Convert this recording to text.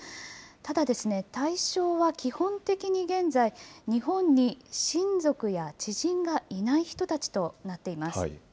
ただですね、対象は基本的に現在、日本に親族や知人がいない人たちとなっています。